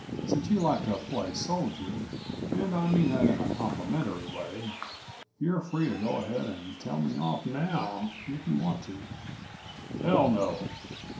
Since you like to play soldier and I mean that in a complimentary way you're free to go ahead and tell me off now, if you want to." "Hell no.